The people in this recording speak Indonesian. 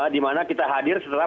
di mana kita hadir setelah